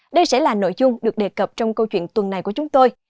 đây sẽ là nội dung được đề cập trong câu chuyện tuần này của chúng tôi